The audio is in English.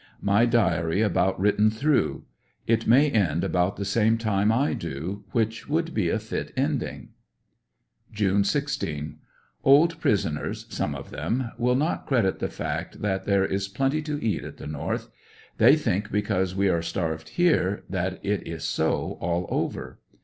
My diary about written through . It may end about the same time I do, which would be a fit ending. June 16. — Old prisoners (some of them) will not credit the fact that there is plenty to eat at the North They think because we are starved here, that it is so all over.